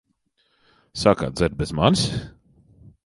Sākāt dzert bez manis?